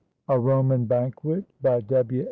A ROMAN BANQUET BY W.